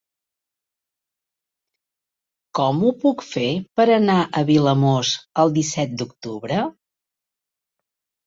Com ho puc fer per anar a Vilamòs el disset d'octubre?